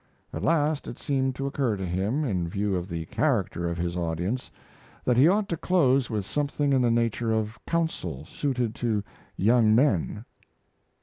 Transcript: At last it seemed to occur to him, in view of the character of his audience, that he ought to close with something in the nature of counsel suited to young men.